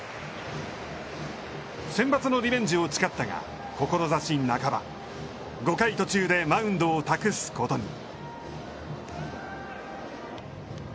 センバツのリベンジを誓ったが、志半ば、５回途中でマウンドを託すことに。